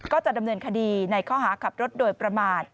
ก็จะดำเนินคดีในข้อหาขับรถโดยประมาท